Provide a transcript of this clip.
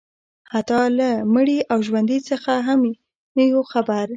حتی له مړي او ژوندي څخه یې هم نه یو خبر